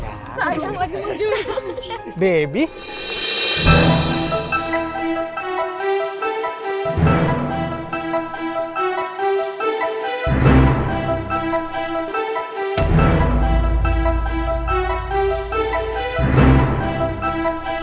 sayang lagi mau jual